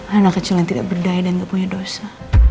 anak kecil yang tidak berdaya dan tidak punya dosa